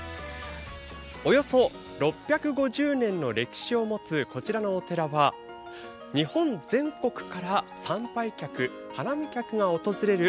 およそ６５０年の歴史を持つこちらのお寺は日本全国から参拝客、花見客が訪れる